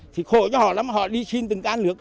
thì khổ cho họ lắm họ đi xin từng cá nước